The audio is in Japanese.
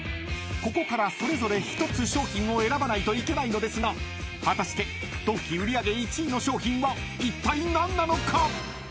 ［ここからそれぞれ１つ商品を選ばないといけないのですが果たしてドンキ売り上げ１位の商品はいったい何なのか？］